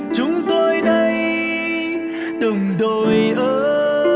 chúng tôi đây đồng đội ơi